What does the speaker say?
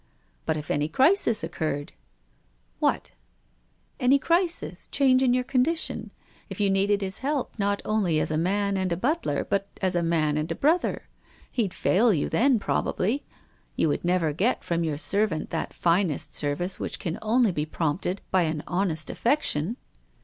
" But if any crisis occurred ?"" What ?" "Any crisis, change in your condition. If you needed his help, not only as a man and a butler, but as a man and a brother? He'd fail you then, probably. You would never get from your ser vant that finest service which can only be prompted by an honest affection.